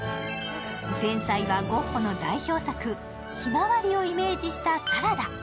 前菜はゴッホの代表作「ひまわり」をイメージしたサラダ。